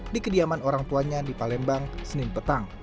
di kediaman orang tuanya di palembang senin petang